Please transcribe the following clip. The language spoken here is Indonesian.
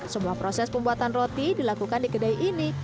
semua proses pembuatan roti dilakukan di kedai ini